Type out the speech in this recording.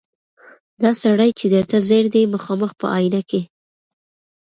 دا سړی چي درته ځیر دی مخامخ په آیینه کي